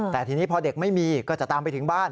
แต่ทีนี้พอเด็กไม่มีก็จะตามไปถึงบ้าน